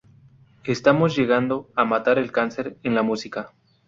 Estamos llegando a matar el cáncer en la música.